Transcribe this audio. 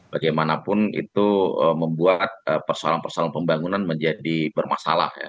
bagaimanapun itu membuat persoalan persoalan pembangunan menjadi bermasalah ya